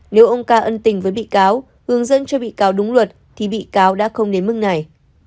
nếu ông ca ân tình với bị cáo hướng dẫn cho bị cáo đúng luật thì bị cáo đã không đến mức này